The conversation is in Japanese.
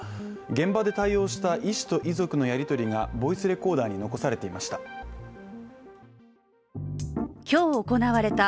現場で対応した医師と遺族のやりとりがボイスレコーダーに残されていました。